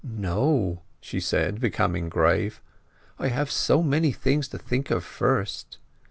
"No," she said, becoming grave: "I have so many things to think of first."